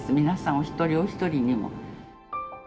皆さんお一人お一人にも。